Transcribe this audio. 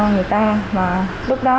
người ta mà lúc đó